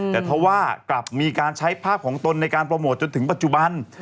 แต่ถ้าว่ากลับมีการใช้ภาพของตนในการโปรโมทจนถึงปัจจุบัน